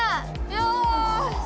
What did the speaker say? よし！